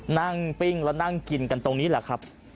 ปิ้งแล้วนั่งกินกันตรงนี้แหละครับ